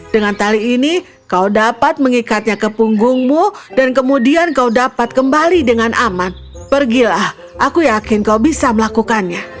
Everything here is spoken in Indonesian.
dengan tali ini kau dapat mengikatnya ke punggungmu dan kemudian kau dapat kembali dengan aman pergilah aku yakin kau bisa melakukannya